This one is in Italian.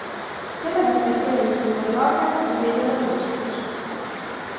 Per la descrizione dei singoli organi si vedano le voci specifiche.